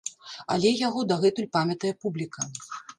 Але яго дагэтуль памятае публіка.